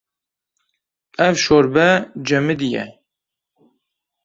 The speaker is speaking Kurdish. Ev şorbe cemidî ye.